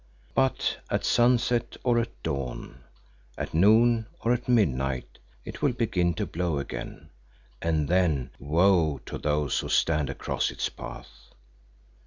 But at sunset or at dawn, at noon or at midnight, it will begin to blow again, and then woe to those who stand across its path.